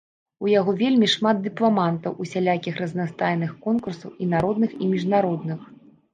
У яго вельмі шмат дыпламантаў усялякіх разнастайных конкурсаў і народных і міжнародных.